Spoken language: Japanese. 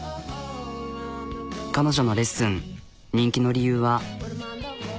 彼女のレッスン人気の理由は。